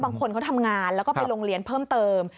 บางคนเขาทำงานแล้วก็ไปโรงเรียนเพิ่มเติม